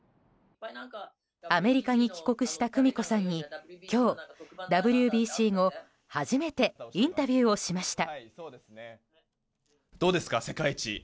アメリカに帰国した久美子さんに今日ＷＢＣ後初めてインタビューをしました。